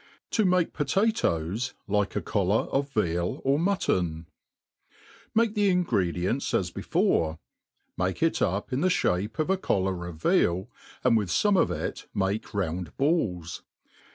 To make Potatoes like a Collar of Veal or Muttor^* MAKE the ingredients as before ; make it up in the (hapc pf a collar of veal, and with fome of it make round balls.